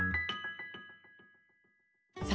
さあ